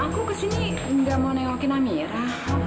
aku ke sini nggak mau nengokin amira